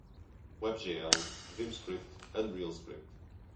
webgl, vim script, unrealscript